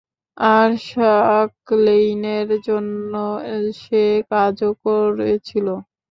আর সাকলেইনের জন্য সে কাজও করেছিল।